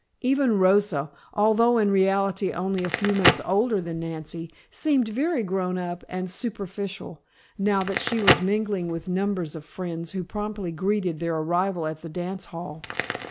Even Rosa, although in reality only a few months older than Nancy, seemed very grown up and superficial, now that she was mingling with numbers of friends who promptly greeted their arrival at the dance hall.